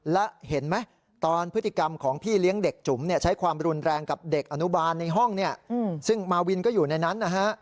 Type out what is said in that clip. ใช่ค่ะคือเขาอ้างไว้แบบนี้นะครับ